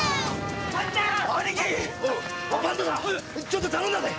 ちょいと頼んだぜ！